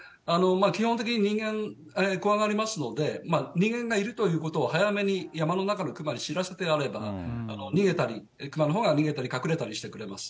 基本的に人間、怖がりますので、人間がいるということを早めに山の中のクマに知らせてやれば、逃げたり、クマのほうが逃げたり隠れたりしてくれます。